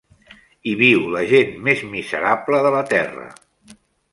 Hi viu la gent més miserable de la terra.